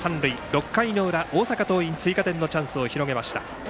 ６回の裏大阪桐蔭、追加点のチャンスを広げました。